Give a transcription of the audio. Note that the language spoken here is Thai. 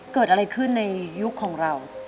เกิดอะไรขึ้นในยุคของเรา